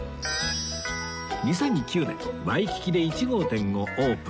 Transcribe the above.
２００９年ワイキキで１号店をオープン